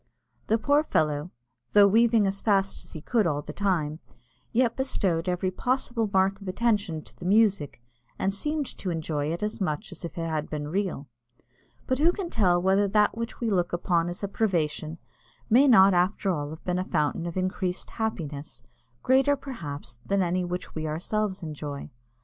The poor fellow, though weaving as fast as he could all the time, yet bestowed every possible mark of attention to the music, and seemed to enjoy it as much as if it had been real. But who can tell whether that which we look upon as a privation may not after all be a fountain of increased happiness, greater, perhaps, than any which we ourselves enjoy?